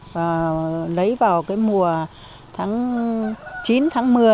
và lấy vào cái mùa tháng chín tháng một mươi